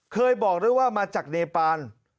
เคยบอกด้วยว่ามาจากเนปาน